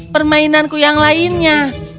permainanku yang lainnya